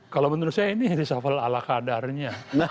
kalau menurut saya ini risafal ala kadarnya